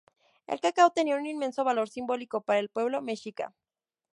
El cacao tenía un inmenso valor simbólico para el pueblo mexica.